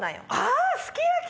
あすき焼き！